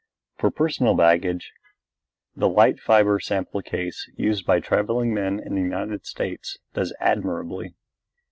For personal baggage the light fibre sample case used by travelling men in the United States does admirably.